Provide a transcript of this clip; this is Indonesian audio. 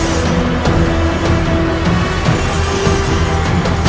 idera ivan nikmati menjadi penyesuaikan pisang yang mereka memiliki